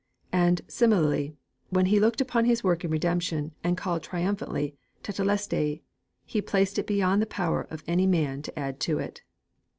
And, similarly, when He looked upon His work in Redemption and cried triumphantly 'Tetelestai,' He placed it beyond the power of any man to add to it.